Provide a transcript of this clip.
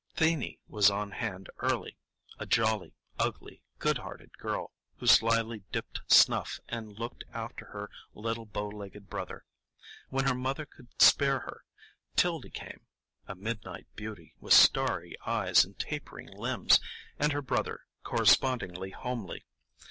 'Thenie was on hand early,—a jolly, ugly, good hearted girl, who slyly dipped snuff and looked after her little bow legged brother. When her mother could spare her, 'Tildy came,—a midnight beauty, with starry eyes and tapering limbs; and her brother, correspondingly homely.